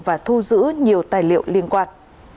và thu giữ nhiều tài liệu liên quan